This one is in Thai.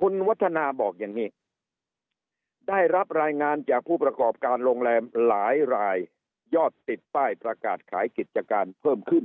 คุณวัฒนาบอกอย่างนี้ได้รับรายงานจากผู้ประกอบการโรงแรมหลายรายยอดติดป้ายประกาศขายกิจการเพิ่มขึ้น